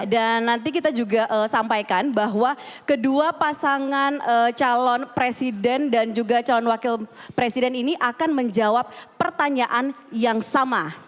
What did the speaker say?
dan nanti kita juga sampaikan bahwa kedua pasangan calon presiden dan juga calon wakil presiden ini akan menjawab pertanyaan yang sama